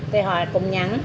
thì họ cũng nhắn